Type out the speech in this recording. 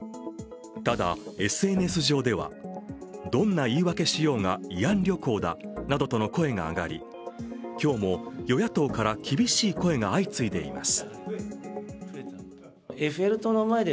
ただ、ＳＮＳ上では、どんな言い訳しようが、慰安旅行だなどとの声が上がり今日も与野党から厳しい声が相次いでいます。